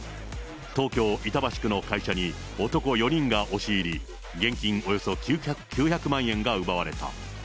東京・板橋区の会社に、男４人が押し入り、現金およそ９００万円が奪われた。